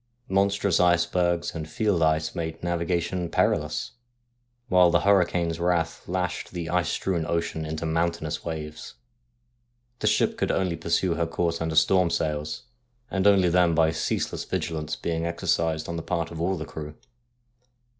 Monstrous icebergs and field ice made navigation perilous, while the hurricane's wrath lashed the ice strewn ocean into mountainous waves. The ship could only pursue her course under storm sails, and only then by ceaseless vigilance being exercised on the part of all the crew.